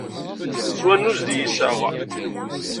S wannuz d yiseɣ.